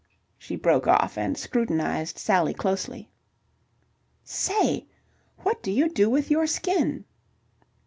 She broke off and scrutinized Sally closely. "Say, what do you do with your skin?"